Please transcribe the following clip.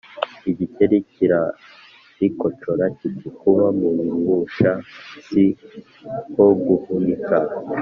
igikeri kirarikocora kiti: kuba mu bibuba si koguhunika